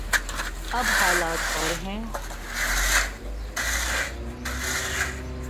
اب حالات اور ہیں۔